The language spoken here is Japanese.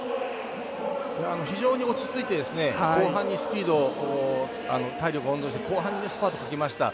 非常に落ち着いて後半にスピード、体力温存して後半にスパートかけました。